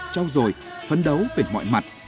châu rồi phấn đấu về mọi mặt